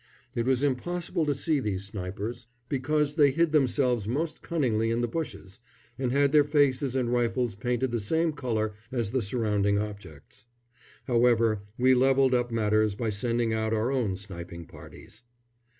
It was impossible to see these snipers, because they hid themselves most cunningly in the bushes, and had their faces and rifles painted the same colour as the surrounding objects. However, we levelled up matters by sending out our own sniping parties.